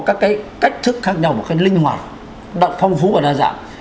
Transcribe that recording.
có các cái cách thức khác nhau một cái linh hoạt phong phú và đa dạng